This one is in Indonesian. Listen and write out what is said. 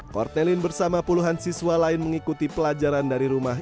cortelin bersama puluhan siswa lain mengikuti pelajaran dari rumah